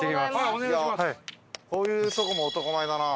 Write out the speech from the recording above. こういうとこも男前だな。